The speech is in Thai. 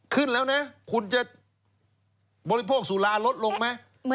ขึ้นแล้วนะคุณจะบริโภคสุราลดลงไหม